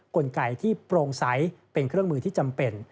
กลไกที่โปร่งใสเป็นเครื่องมือที่จำเป็น